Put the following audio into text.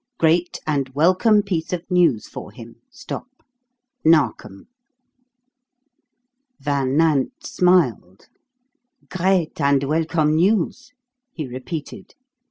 Great and welcome piece of news for him. NARKOM." Van Nant smiled. "Great and welcome news," he repeated.